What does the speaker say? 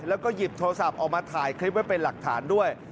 แล้วก็หยิบโทรศัพท์ออกมาถ่ายคลิปไว้เป็นหลักฐานด้วย